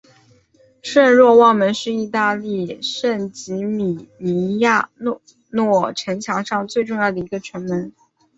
圣若望门是意大利圣吉米尼亚诺城墙上最重要的一个城门。